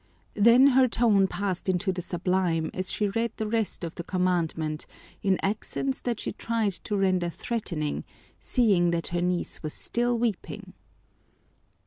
Then her tone passed into the sublime as she read the rest of the commandment in accents that she tried to reader threatening, seeing that her niece was still weeping.